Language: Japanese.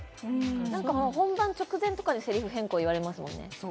何かもう本番直前とかでセリフ変更言われますもんね